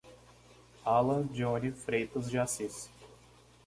Alan Johnny Freitas de Assis